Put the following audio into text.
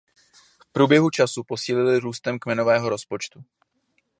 V průběhu času posílili růstem kmenového počtu.